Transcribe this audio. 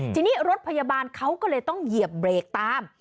ทีนี้รถพยาบาลเขาก็เลยต้องเหยียบเบรกตาม